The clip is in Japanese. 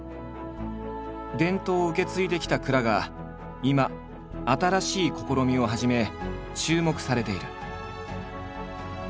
伝統を受け継いできた蔵が今新しい試みを始め注目されている。